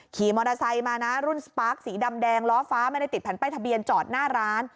ขี่มอเตอร์ไซค์มานะรุ่นสปาร์คสีดำแดงล้อฟ้าไม่ได้ติดแผ่นป้ายทะเบียนจอดหน้าร้าน